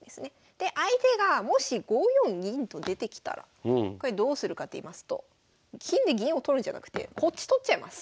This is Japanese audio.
で相手がもし５四銀と出てきたらこれどうするかっていいますと金で銀を取るんじゃなくてこっち取っちゃいます。